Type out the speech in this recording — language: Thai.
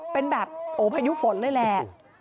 เป็นแบบโอ้พายุฝนเลยแหละ